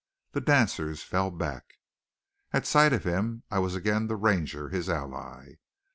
The dancers fell back. At sight of him I was again the Ranger, his ally.